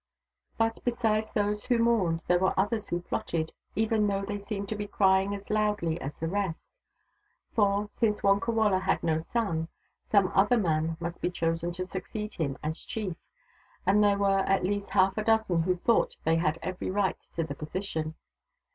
But besides those who mourned, there were others who plotted, even though they seemed to be crying as loudly as the rest. For, since Wonkawala had no son, some other man must be chosen to succeed him as chief, and there were at least half a dozen who thought they had every right to the position.